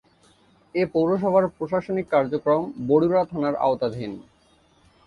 এ পৌরসভার প্রশাসনিক কার্যক্রম বরুড়া থানার আওতাধীন।